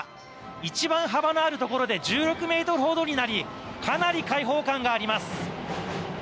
一番幅のあるところで１６ｍほどになりかなり開放感があります。